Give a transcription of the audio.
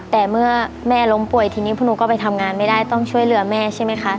แต่เมื่อแม่ล้มป่วยทีนี้พวกหนูก็ไปทำงานไม่ได้ต้องช่วยเหลือแม่ใช่ไหมคะ